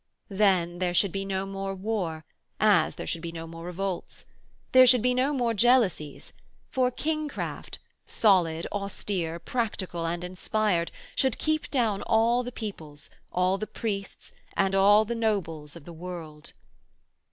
Then there should be no more war, as there should be no more revolts. There should be no more jealousies; for kingcraft, solid, austere, practical and inspired, should keep down all the peoples, all the priests, and all the nobles of the world.